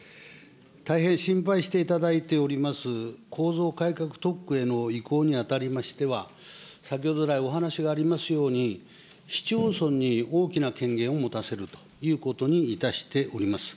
大変心配していただいております、構造改革特区への移行にあたりましては、先ほど来お話がありますように、市町村に大きな権限を持たせるということにいたしております。